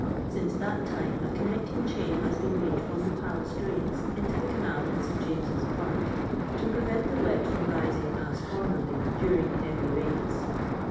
Since that time a con necting chain has been made from the Pala« drains into the canal in St. James's park, to prevent the wet from rising as formerly during heavy rains.